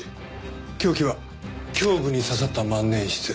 凶器は胸部に刺さった万年筆。